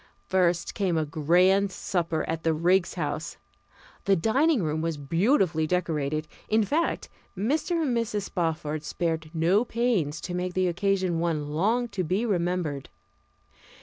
First came a grand supper at the Riggs House. The dining room was beautifully decorated; in fact, Mr. and Mrs. Spofford spared no pains to make the occasion one long to be remembered.